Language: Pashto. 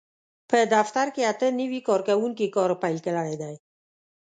په دفتر کې اته نوي کارکوونکي کار پېل کړی دی.